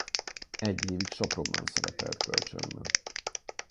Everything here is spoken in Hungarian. Egy évig Sopronban szerepelt kölcsönben.